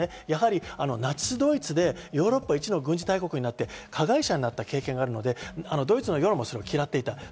やはりナチスドイツでヨーロッパいちの軍事大国になって、加害者になった経験があるので、ドイツの世論がそれを嫌っていた。